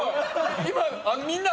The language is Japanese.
今みんな。